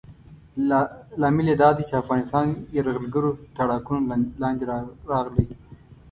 لامل یې دا دی چې افغانستان یرغلګرو تاړاکونو لاندې راغلی.